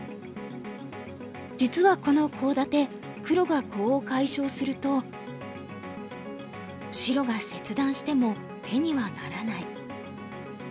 実はこのコウ立て黒がコウを解消すると白が切断しても手にはならない。